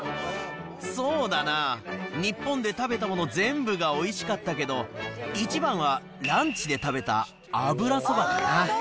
そうだな、日本で食べたもの全部がおいしかったけど、一番はランチで食べた油そばかな。